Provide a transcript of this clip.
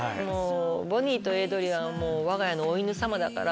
ボニーとエイドリアンはわが家のお犬さまだから。